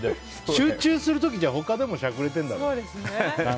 集中する時他でも、しゃくれてるんだろうね。